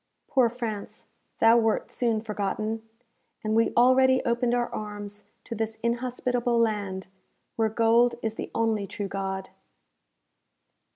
Poor France! thou wert soon forgotten, and we already opened our arms to this inhospitable land where gold is the only true God.